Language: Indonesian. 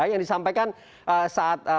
yang disampaikan saat